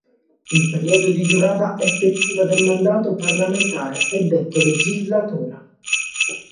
Il periodo di durata effettiva del mandato parlamentare è detto legislatura.